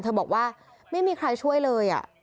บอกว่าไม่มีใครช่วยเลย